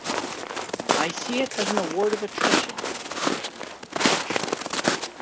"I see it as an award of attrition," he says.